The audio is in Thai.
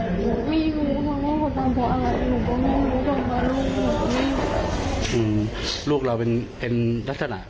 ก็ไม่รู้ว่าตามร่างกายมีรอยฟกช้ำหลายจุดก็เลยพบว่าตามร่างกายมีรอยฟกช้ำหลายจุด